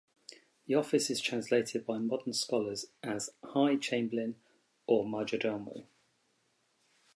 The office is translated by modern scholars as "high chamberlain" or "majordomo".